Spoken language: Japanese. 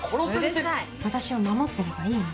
うるさい私を守ってればいいの。